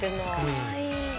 かわいい。